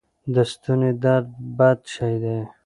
د ستوني درد بد شی دی.